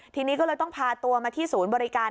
ทีนี้ก็เลยต้องพาตัวมาที่ศูนย์บริการ